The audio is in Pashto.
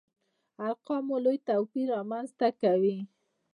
ارقامو لوی توپير رامنځته کوي.